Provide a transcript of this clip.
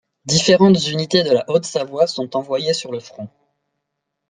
Différentes unités de la Haute-Savoie sont envoyés sur le front.